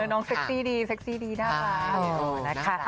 น้องน้องเซ็กซี่ดีนะคะ